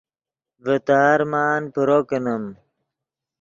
ڤے تے ارمان پرو کینیم